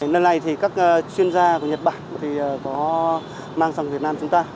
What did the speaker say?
năm nay các chuyên gia của nhật bản mang sang việt nam chúng ta